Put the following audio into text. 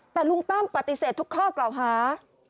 แต่ลุงตั้มปฏิเสธทุกข้อกล่าวหา